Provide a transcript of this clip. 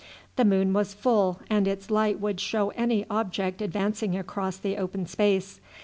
The moon was full, and its light would show any object advancing across the open space.